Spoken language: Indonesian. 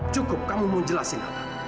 cukup kamu menjelaskan apa